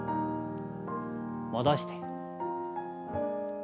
戻して。